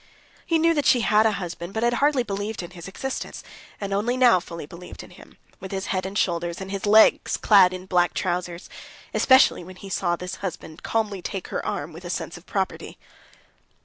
He knew that she had a husband, but had hardly believed in his existence, and only now fully believed in him, with his head and shoulders, and his legs clad in black trousers; especially when he saw this husband calmly take her arm with a sense of property.